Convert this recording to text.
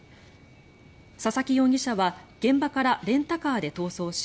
佐々木容疑者は現場からレンタカーで逃走し